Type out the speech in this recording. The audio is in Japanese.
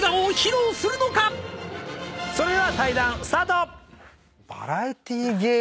それでは対談スタート！